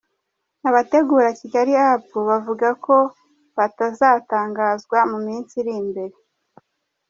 Abategura Kigali apu! bavuga ko bazatangazwa mu minsi iri imbere.